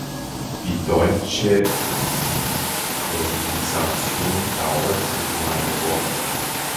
Die deutsche Synchronisation dauerte nur eine Woche.